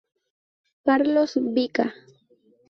Carlos Bica.